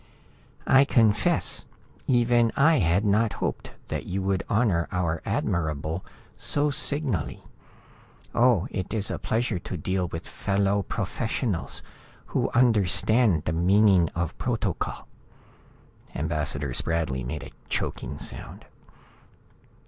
"I confess even I had not hoped that you would honor our Admirable so signally. Oh, it is a pleasure to deal with fellow professionals, who understand the meaning of protocol!" Ambassador Spradley made a choking sound.